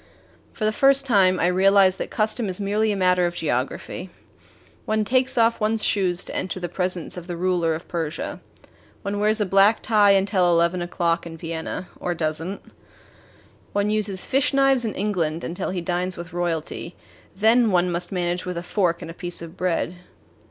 For the first time, I realized that custom is merely a matter of geography. One takes off one's shoes to enter the presence of the ruler of Persia. One wears a black tie until eleven o'clock in Vienna or does n't. One uses fish knives in England until he dines with royalty then one must manage with a fork and a piece of bread.